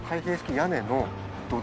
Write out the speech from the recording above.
屋根の土台。